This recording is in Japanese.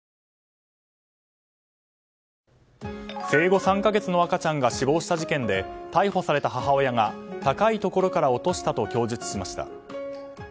生後３か月の赤ちゃんが死亡した事件で逮捕された母親が高いところから落としたと供述しました。